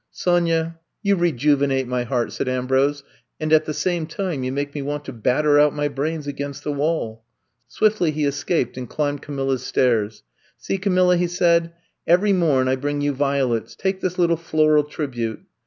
Sonya, you rejuvenate my heart, said Ambrose, and at the same time you make me want to batter out my brains against the wall. Swiftly he escaped and climbed Camilla's stairs. See, Camilla, he said, every mom I bring you violets. Take this little floral tribute.